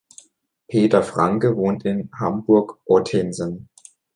Peter Franke wohnt in Hamburg-Ottensen.